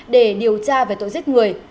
để điều tra về tội giết người